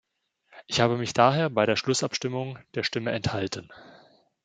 Ich habe mich daher bei der Schlussabstimmung der Stimme enthalten.